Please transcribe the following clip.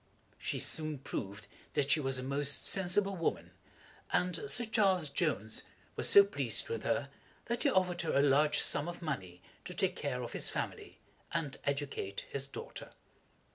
She soon proved that she was a most sensible woman, and Sir Charles Jones was so pleased with her, that he offered her a large sum of money to take care of his family, and educate his daughter.